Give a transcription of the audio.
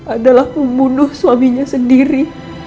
adalah pembunuh suaminya sendiri